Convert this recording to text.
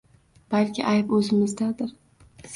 Balki ayb oʻzimizdadir